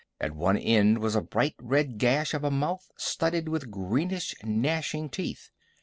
At one end was a bright red gash of a mouth studded with greenish, gnashing teeth.